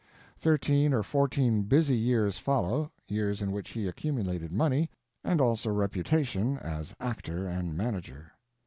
Thirteen or fourteen busy years follow; years in which he accumulated money, and also reputation as actor and manager.